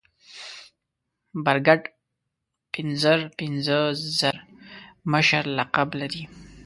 برګډ پنځر پنځه زر مشر لقب لري.